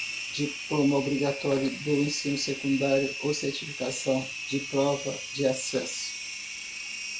Diploma obrigatório do ensino secundário ou certificação de prova de acesso.